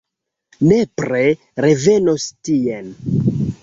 Nepre revenos tien!